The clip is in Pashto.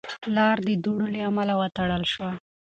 لار د دوړو له امله وتړل شوه.